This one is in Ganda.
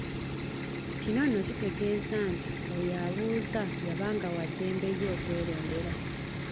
Kino nno kitegeeza nti oyo abuuza yabanga wa ddembe ye okwelondera.